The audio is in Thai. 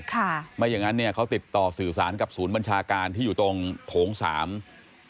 ค่ะไม่อย่างงั้นเนี้ยเขาติดต่อสื่อสารกับศูนย์บัญชาการที่อยู่ตรงโถงสาม